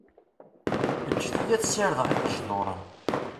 Eǧǧ-iyi ad sirdeɣ iqejḍuṛen.